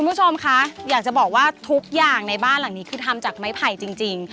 คุณผู้ชมคะอยากจะบอกว่าทุกอย่างในบ้านหลังนี้คือทำจากไม้ไผ่จริง